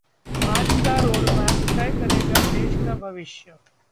'आज का रोडमैप तय करेगा देश का भविष्य'